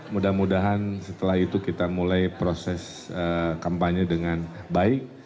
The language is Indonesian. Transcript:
mudah mudahan setelah itu kita mulai proses kampanye dengan baik